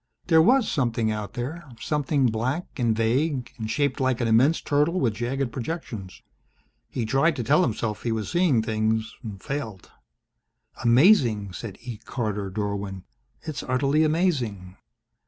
There was something out there something black and vague and shaped like an immense turtle with jagged projections. He tried to tell himself he was seeing things, failed. "Amazing!" said E. Carter Dorwin. "It's utterly amazing!"